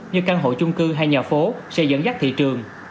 như căn hộ chung cư hay nhà phố sẽ dẫn dắt thị trường